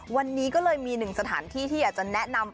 วันนี้ก็เลยมีหนึ่งสถานที่ที่อยากจะแนะนำ